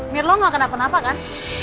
mir lo gak kena kenapa kan